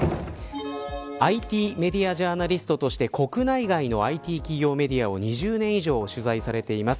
ＩＴメディアジャーナリストとして国内外のＩＴ企業メディアを２０年以上取材されています